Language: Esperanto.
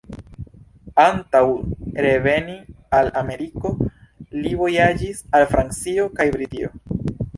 Antaŭ reveni al Ameriko, li vojaĝis al Francio kaj Britio.